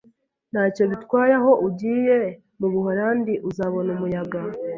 Ntacyo bitwaye aho ugiye mubuholandi, uzabona umuyaga